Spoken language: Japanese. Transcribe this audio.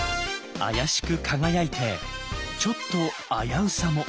妖しく輝いてちょっと危うさも。